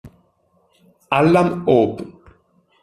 Hallam Hope